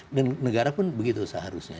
dan negara pun begitu seharusnya